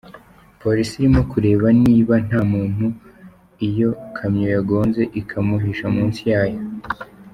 Polisi irimo kureba niba nta muntu iyo kamyo yagonze ikamuhisha munsi yayo.